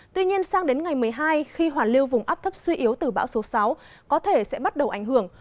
tuy nhiên sang đến ngày một mươi hai khi hoàn lưu vùng áp thấp suy yếu từ bão số sáu có thể sẽ bắt đầu ảnh hưởng